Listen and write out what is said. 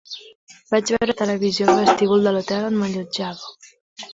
Vaig veure televisió al vestíbul de l'hotel on m'allotjava.